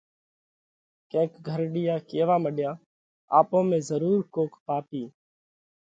ڪينڪ گھرڍِيئا ڪيوا مڏيا: آپون ۾ ضرُور ڪوڪ پاپِي